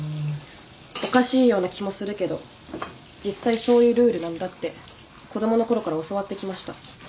おかしいような気もするけど実際そういうルールなんだって子供のころから教わってきました。